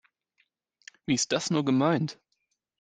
Wie ist das nur gemeint?